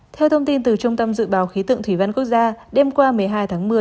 theo thông tin từ trung tâm dự báo khí tượng thủy văn quốc gia đêm qua một mươi hai tháng một mươi